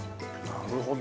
なるほどね。